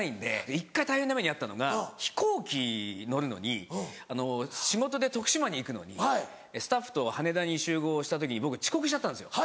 １回大変な目に遭ったのが飛行機乗るのに仕事で徳島に行くのにスタッフと羽田に集合した時に僕遅刻しちゃったんですよ。